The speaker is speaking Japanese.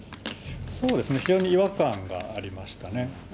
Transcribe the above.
そうですね、非常に違和感がありましたね。